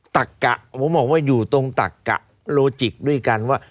ตักกะผมบอกว่าอยู่ตรงตักกะโลจิกด้วยกันว่า